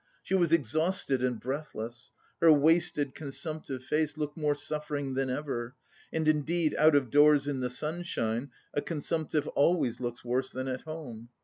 She was exhausted and breathless. Her wasted consumptive face looked more suffering than ever, and indeed out of doors in the sunshine a consumptive always looks worse than at home.